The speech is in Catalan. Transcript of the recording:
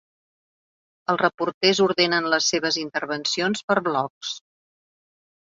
Els reporters ordenen les seves intervencions per blocs.